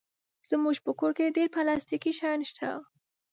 زموږ په کور کې ډېر پلاستيکي شیان شته.